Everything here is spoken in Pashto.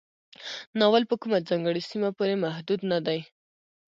ناول په کومه ځانګړې سیمه پورې محدود نه دی.